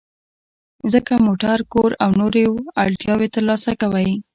ځکه موټر، کور او نورې اړتیاوې ترلاسه کوئ.